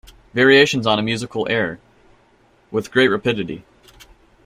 Variations on a musical air With great rapidity.